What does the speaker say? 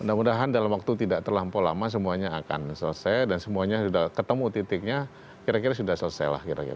mudah mudahan dalam waktu tidak terlampau lama semuanya akan selesai dan semuanya sudah ketemu titiknya kira kira sudah selesai lah kira kira